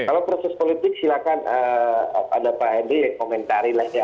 kalau proses politik silahkan pada pak henry komentarilah ya